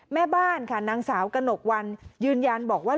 แม่บ้านค่ะนางสาวกระหนกวันยืนยันบอกว่า